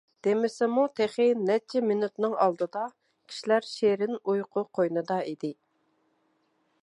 دېمىسىمۇ، تېخى نەچچە مىنۇتنىڭ ئالدىدا كىشىلەر شېرىن ئۇيقۇ قوينىدا ئىدى.